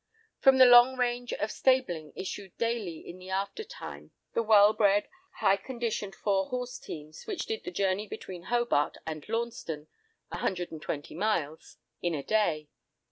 From the long range of stabling issued daily in the after time the well bred, high conditioned four horse teams, which did the journey between Hobart and Launceston (a hundred and twenty miles) in a day.